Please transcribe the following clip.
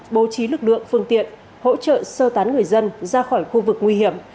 bố trí lực lượng phương tiện hỗ trợ sơ tán người dân ra khỏi khu vực nguy hiểm